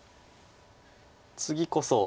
次こそ。